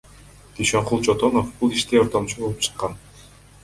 Дүйшөнкул Чотонов бул иште ортомчу болуп чыккан.